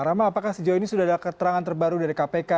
rama apakah sejauh ini sudah ada keterangan terbaru dari kpk